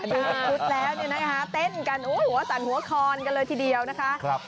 ดูสุดแล้วต้นกันสั่นหัวคอนกันเลยทีเดียวนะคะ